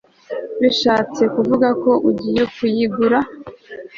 Bishatse kuvuga ko ugiye kuyigura